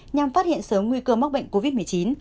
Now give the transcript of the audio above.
nhằm phát hiện sớm nguy cơ mắc bệnh covid một mươi chín